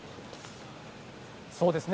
そうですね。